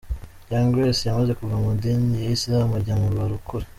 Young Grace yamaze kuva mu idini ya Isilamu ajya mu barokore.